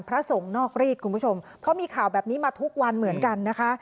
พระสงฆ์นอกรีดคุณผู้ชมเพราะมีข่าวแบบนี้มาทุกวันเหมือนกันนะคะ